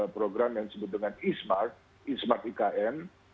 program yang disebut dengan e smart e smart ikn